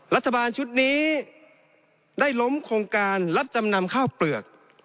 รัฐบาลชุดนี้ได้ล้มโครงการรับจำนำข้าวเปลือก